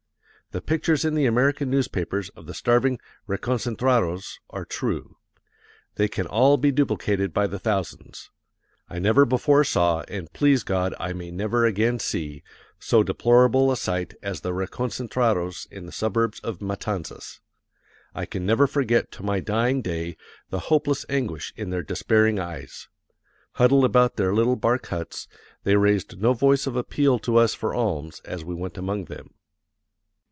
The pictures in the American newspapers of the starving reconcentrados are true. They can all be duplicated by the thousands. I never before saw, and please God I may never again see, so deplorable a sight as the reconcentrados in the suburbs of Matanzas. I can never forget to my dying day the hopeless anguish in their despairing eyes. Huddled about their little bark huts, they raised no voice of appeal to us for alms as we went among them....